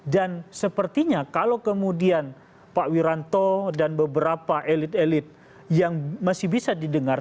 dan sepertinya kalau kemudian pak wiranto dan beberapa elit elit yang masih bisa didengar